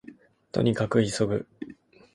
兎に角急ぐ